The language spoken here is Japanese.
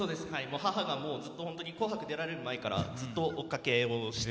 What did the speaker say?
母がずっと「紅白」出られる前からずっと追っかけをして。